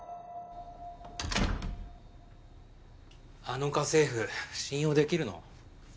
あの家政婦信用できるの？